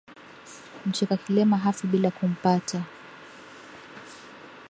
Mcheka kilema hafi bila kumpata